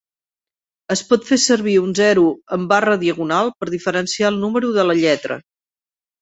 Es pot fer servir un zero amb barra diagonal per diferenciar el número de la lletra.